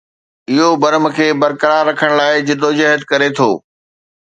اهو برم کي برقرار رکڻ لاء جدوجهد ڪري ٿو